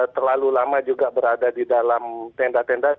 terlalu lama juga berada di dalam tenda tenda